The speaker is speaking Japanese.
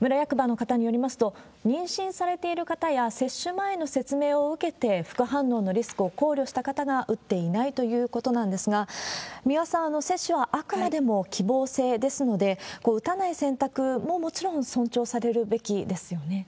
村役場の方によりますと、妊娠されている方や接種前の説明を受けて、副反応のリスクを考慮した方が打っていないということなんですが、三輪さん、接種はあくまでも希望性ですので、打たない選択ももちろん尊重されるべきですよね。